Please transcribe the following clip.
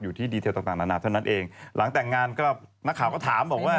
ที่ดีเทลต่างต่างนานาเท่านั้นเองหลังแต่งงานก็นักข่าวก็ถามบอกว่า